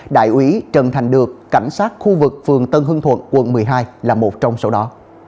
đại úy trần thành được cảnh sát khu vực phường tân hương thuận quận một mươi hai là một trong số đó